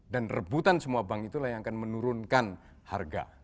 dan rebutan semua bank itulah yang akan menurunkan harga